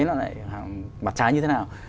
nó lại mặt trái như thế nào